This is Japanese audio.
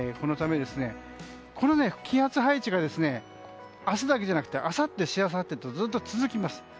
この気圧配置が明日だけじゃなくてあさって、しあさってとずっと続きます。